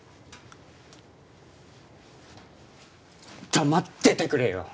黙っててくれよ！